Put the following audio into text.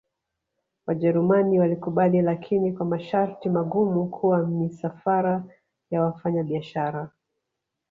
wajerumani walikubali lakini kwa masharti magumu kuwa misafara ya wafanya biashara